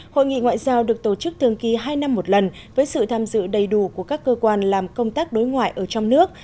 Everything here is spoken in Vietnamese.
hội nghị ngoại giao được tổ chức thường kỳ hai năm một lần với sự tham dự đầy đủ của các cơ quan làm công tác đối ngoại ở trong nước